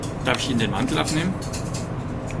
Darf ich Ihnen den Mantel abnehmen?